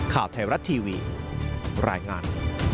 ข่าวไทยรัฐทีวีรายงาน